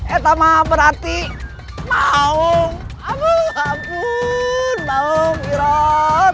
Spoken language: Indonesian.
etama berarti mau habu habu maung wirot